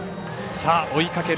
追いかける